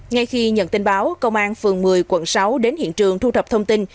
ngay khi nhận tin báo công an phường một mươi quận sáu đến hiện trường thu thập thông tin